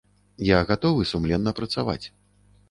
Я гатовы сумленна працаваць.